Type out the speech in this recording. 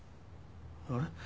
あれ？